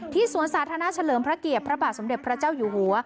สวนสาธารณะเฉลิมพระเกียรติพระบาทสมเด็จพระเจ้าอยู่หัว